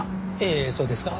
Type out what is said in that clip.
ええそうですが。